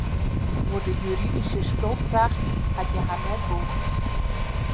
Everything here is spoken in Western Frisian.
Oer de juridyske skuldfraach hat hja har net bûgd.